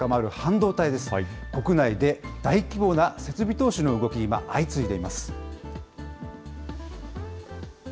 国内で大規模な設備投資の動き、今、相次いでいます。